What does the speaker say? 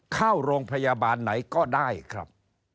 เข้าโรงพยาบาลไหนก็ได้ครับ